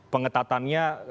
pengetatannya bisa dibilang